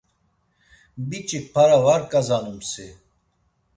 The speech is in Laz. Biç̌ik para var ǩazanumsi?